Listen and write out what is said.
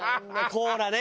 コーラね。